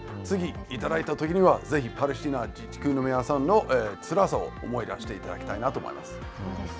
次、いただいたときにはぜひパレスチナ自治区の皆さんのつらさを思い出していただきたいなと思います。